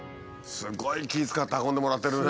すごい気ぃ遣って運んでもらってるね。